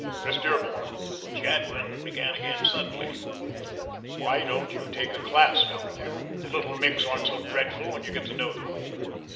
"Miss Dearborn," Jadwin began again suddenly, "why don't you take a class down there. The little micks aren't so dreadful when you get to know them."